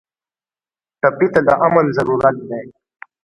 ټپي ته د امن ضرورت دی.